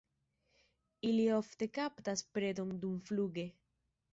Ili ofte kaptas predon dumfluge.